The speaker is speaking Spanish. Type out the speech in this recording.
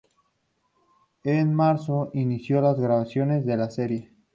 En marzo inició las grabaciones de la serie.